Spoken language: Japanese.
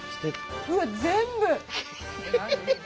うわっ全部！